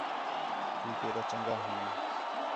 تُو کیݙا چنڳا ھیں